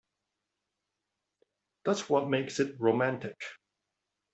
That's what makes it romantic.